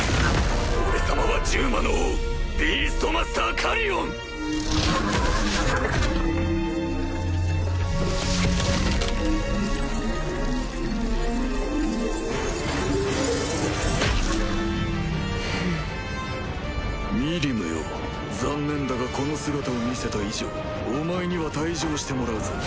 俺様は獣魔の王ビーストマスターカリオン！ミリムよ残念だがこの姿を見せた以上お前には退場してもらうぜ。